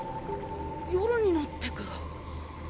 夜になってく。